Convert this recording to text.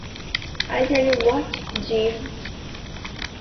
I'll tell you what, Jeeves.